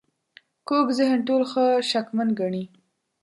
کوږ ذهن ټول ښه شکمن ګڼي